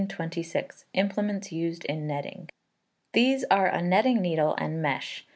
Implements used in Netting. These are a netting needle and mesh.